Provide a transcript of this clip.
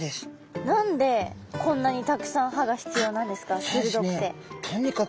何でこんなにたくさん歯が必要なんですか？